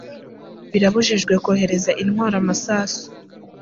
birabujijwe kohereza intwaro amasasu